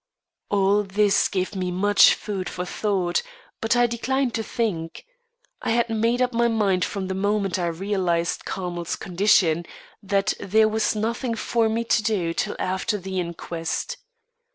All this gave me much food for thought, but I declined to think. I had made up my mind from the moment I realised Carmel's condition, that there was nothing for me to do till after the inquest.